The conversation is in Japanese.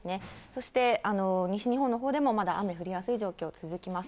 そして西日本のほうでも、まだ雨降りやすい状況続きます。